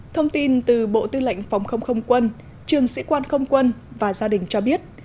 thông tin từ bộ tư lệnh phòng không không quân trường sĩ quan không quân và gia đình cho biết